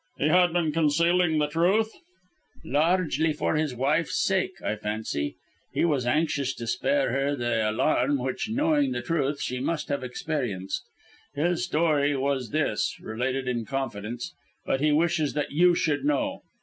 "He had been concealing the truth?" "Largely for his wife's sake, I fancy. He was anxious to spare her the alarm which, knowing the truth, she must have experienced. His story was this related in confidence, but he wishes that you should know.